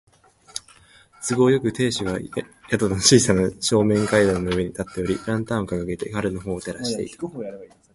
都合よく、亭主が宿の小さな正面階段の上に立っており、ランタンをかかげて彼のほうを照らしていた。